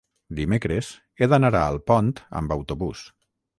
Dimecres he d'anar a Alpont amb autobús.